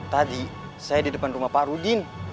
tadi saya di depan rumah pak rudin